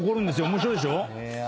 面白いでしょ？